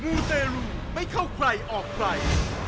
มูเตรูไม่เข้าใครออกใคร